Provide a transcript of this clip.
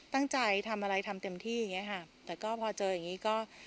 ตั้งใจทำอะไรทำเต็มที่อย่างเงี้ค่ะแต่ก็พอเจออย่างงี้ก็